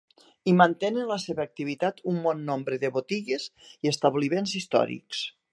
Hi mantenen la seva activitat un bon nombre de botigues i establiments històrics.